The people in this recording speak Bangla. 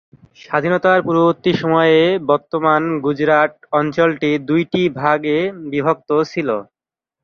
স্বাধীনতা পূর্ববর্তী সময়ে বর্তমান গুজরাট অঞ্চলটি দুটি ভাগে বিভক্ত ছিল।